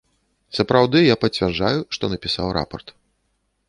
Сапраўды, я пацвярджаю, што напісаў рапарт.